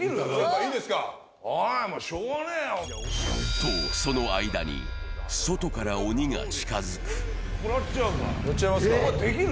と、その間に外から鬼が近づく。